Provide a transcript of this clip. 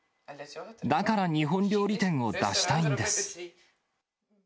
だから日本料理店を出したいんです。